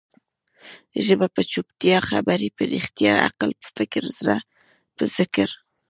ژبه په چوپتيا، خبري په رښتیا، عقل په فکر، زړه په ذکر.